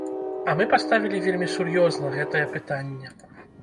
А мы паставілі вельмі сур'ёзна гэтае пытанне.